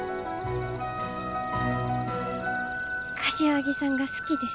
柏木さんが好きです。